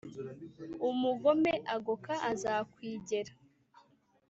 Umugome agoka azakwigera.